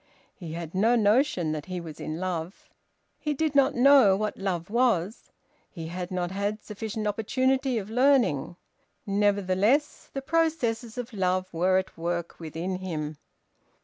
He had no notion that he was in love. He did not know what love was; he had not had sufficient opportunity of learning. Nevertheless the processes of love were at work within him.